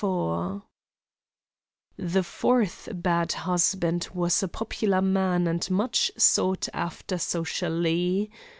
IV The fourth bad husband was a popular man and much sought after socially.